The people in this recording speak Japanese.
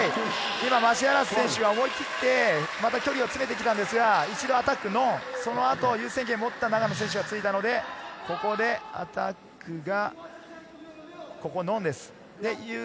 マシアラス選手は思い切って、また距離を詰めてきたんですが、一度アタックノン、そのあと優先権を持った永野選手が突いたので、ここでアタックがノンです。